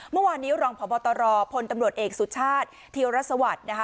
เมื่อวานนี้รองพบตรพลตำรวจเอกสุชาติธีรสวัสดิ์นะคะ